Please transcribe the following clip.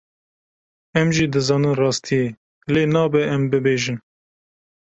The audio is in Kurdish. Em jî dizanin rastiyê lê nabe em bibêjin.